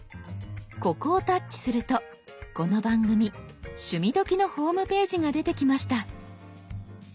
ここをタッチするとこの番組「趣味どきっ！」のホームページが出てきました。